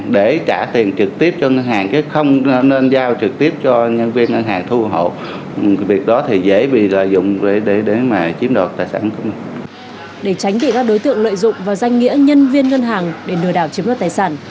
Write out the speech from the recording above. để tránh bị các đối tượng lợi dụng vào danh nghĩa nhân viên ngân hàng để lừa đảo chiếm đoạt tài sản